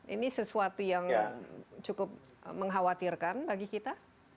ini sesuatu yang cukup mengkhawatirkan bagi kita